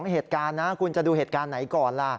เหตุการณ์นะคุณจะดูเหตุการณ์ไหนก่อนล่ะ